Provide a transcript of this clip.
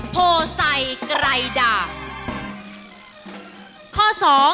โพสัยใกล้ด่าง